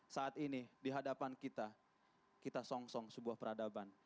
saat ini di hadapan kita kita song song sebuah peradaban